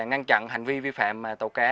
ngăn chặn hành vi vi phạm mà tàu cá